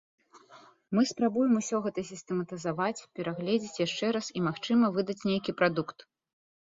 Мы спрабуем усё гэта сістэматызаваць, перагледзець яшчэ раз, і, магчыма, выдаць нейкі прадукт.